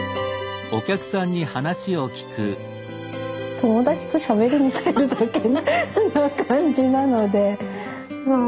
友達としゃべりに来てるだけな感じなのでそう。